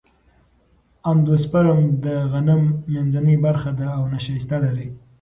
اندوسپرم د غنم منځنۍ برخه ده او نشایسته لري.